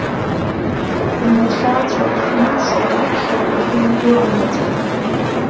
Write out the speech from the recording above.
Имырхьаацәакәа илшоит аԥхьаҩ ихы-игәы алаҵәара.